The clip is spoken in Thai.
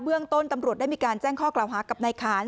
เรื่องต้นตำรวจได้มีการแจ้งข้อกล่าวหากับนายขาน